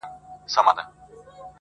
د شپې بند اوبو وړی دئ.